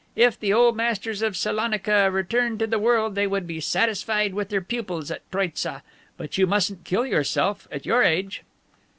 If the old masters of Salonika returned to the world they would be satisfied with their pupils at Troitza. But you mustn't kill yourself at your age!"